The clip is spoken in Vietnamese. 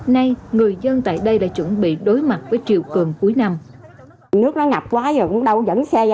nay người dân tại đây đã chuẩn bị đối mặt với triều cường cuối năm